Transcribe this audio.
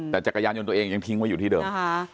แต่จักรยานยนต์ตัวเองยังทิ้งไว้อยู่ที่เดิม